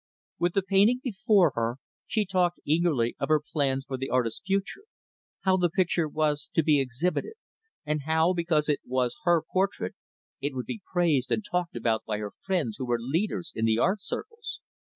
With the painting before her, she talked eagerly of her plans for the artist's future; how the picture was to be exhibited, and how, because it was her portrait, it would be praised and talked about by her friends who were leaders in the art circles.